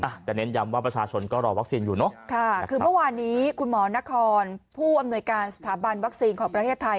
จะเน้นย้ำว่าประชาชนก็รอวัคซีนอยู่เนอะค่ะคือเมื่อวานนี้คุณหมอนครผู้อำนวยการสถาบันวัคซีนของประเทศไทย